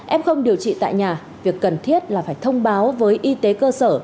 em không điều trị tại nhà việc cần thiết là phải thông báo với y tế cơ sở